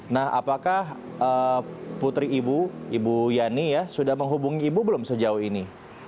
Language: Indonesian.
nah apakah putri ibu ibu yani ya sudah menghubungi ibu belum sejauh ini